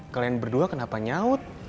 kalian berdua kenapa nyaut